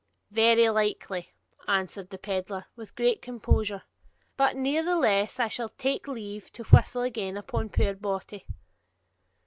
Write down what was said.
'Very likely,' answered the pedlar, with great composure; 'but ne'ertheless, I shall take leave to whistle again upon puir Bawty.'